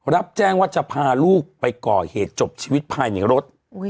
รับแจ้งว่าจะพาลูกไปก่อเหตุจบชีวิตภายในรถ